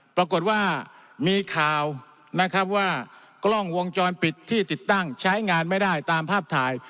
ปรากฏว่ามีข่าวนะครับว่ากล้องวงจรปิดที่ติดตั้งใช้งานไม่ได้ตามภาพถ่าย